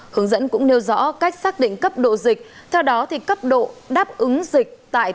hướng dẫn cũng nêu rõ cách xác định cấp độ dịch theo đó thì cấp độ đáp ứng dịch tại